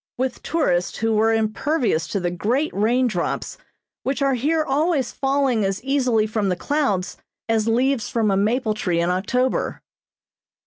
with tourists who were impervious to the great rain drops which are here always falling as easily from the clouds as leaves from a maple tree in October.